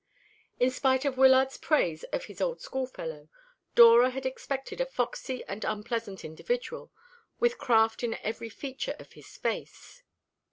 In spite of Wyllard's praise of his old schoolfellow, Dora had expected a foxy and unpleasant individual, with craft in every feature of his face.